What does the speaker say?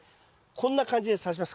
こんな感じでさします。